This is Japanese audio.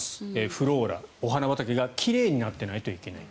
フローラ、お花畑が奇麗になっていないといけない。